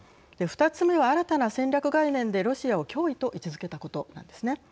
２つ目は、新たな戦略概念でロシアを脅威と位置づけたことなんですね。